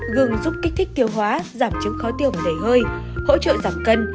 gừng giúp kích thích tiêu hóa giảm chứng khó tiêu và đầy hơi hỗ trợ giảm cân